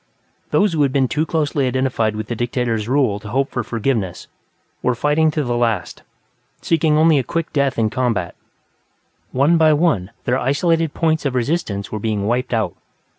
Those who had been too closely identified with the dictator's rule to hope for forgiveness were fighting to the last, seeking only a quick death in combat; one by one, their isolated points of resistance were being wiped out.